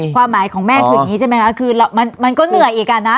ความหมายของแม่คืออย่างนี้ใช่ไหมคะคือมันก็เหนื่อยอีกอ่ะนะ